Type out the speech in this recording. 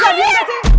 buka diri mbak sih